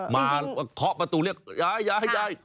มาเคาะประตูเรียกยายยาย